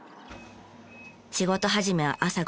仕事始めは朝５時。